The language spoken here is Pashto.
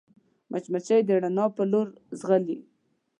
مچمچۍ د رڼا پر لور ځغلي